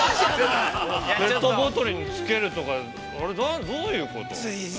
◆ペットボトルにつけるとか、どういうこと。